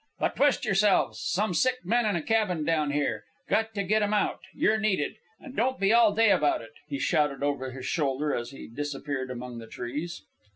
"But twist yourselves. Some sick men in a cabin down here. Got to get 'em out. You're needed. And don't be all day about it," he shouted over his shoulder as he disappeared among the trees.